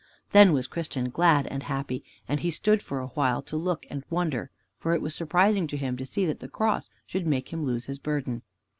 Then was Christian glad and happy, and he stood for a while to look and wonder, for it was surprising to him to see that the Cross should make him lose his burden.